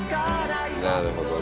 なるほどね。